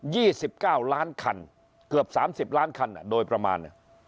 ี่สิบเก้าล้านคันเกือบสามสิบล้านคันอ่ะโดยประมาณอ่ะ